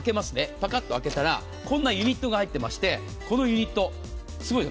パカッと開けたらこんなユニットが入っていましてこのユニット、すごいです。